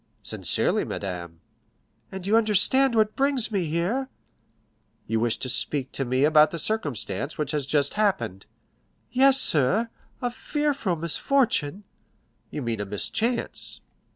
"Sincerely, madame." "And you understand what brings me here?" "You wish to speak to me about the circumstance which has just happened?" "Yes, sir,—a fearful misfortune." "You mean a mischance."